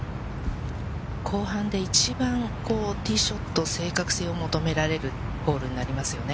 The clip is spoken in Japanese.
後半で一番ティーショット、正確性を求められるホールになりますよね。